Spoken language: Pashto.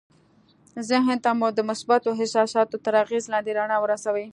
ذهن ته مو د مثبتو احساساتو تر اغېز لاندې رڼا ورسوئ